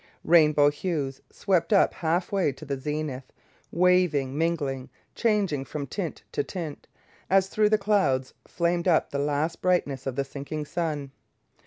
Rainbow hues swept up half way to the zenith, waving, mingling, changing from tint to tint, as through the clouds flamed up the last brightness of the sinking sun.